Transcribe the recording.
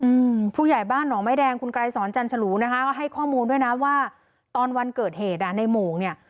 อืมผู้ใหญ่บ้านหนองไม้แดงคุณไกรสอนจันฉลูนะคะก็ให้ข้อมูลด้วยนะว่าตอนวันเกิดเหตุอ่ะในโมงเนี่ย